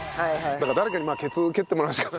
だから誰かにケツを蹴ってもらうしか。